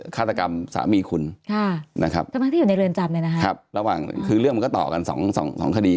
ฆาตกรรมสามีคุณนะครับครับคือเรื่องมันก็ต่อกัน๒คดี